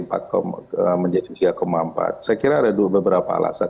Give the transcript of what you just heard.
saya kira ada beberapa alasan